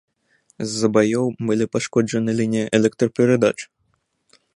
З-за баёў былі пашкоджаны лініі электраперадач.